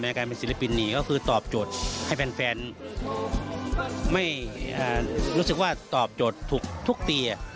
การเป็นศิลปินหนีก็คือตอบโจทย์ให้แฟนไม่รู้สึกว่าตอบโจทย์ถูกทุกปี